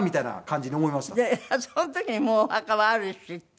その時にもうお墓はあるしっていう。